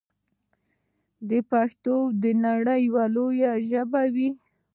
پښتو به د نړۍ یوه لویه ژبه وي.